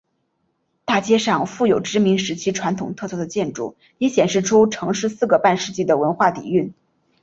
大街上富有殖民时期传统特色的建筑也显现出城市四个半世纪的文化底蕴。